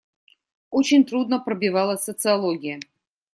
Очень трудно пробивалась социология.